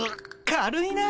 軽いな。